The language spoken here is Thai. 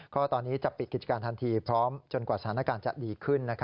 ก็ตอนนี้จะปิดกิจการทันทีพร้อมจนกว่าสถานการณ์จะดีขึ้น